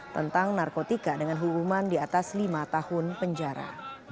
tentang narkotika dengan hukuman di atas lima tahun penjara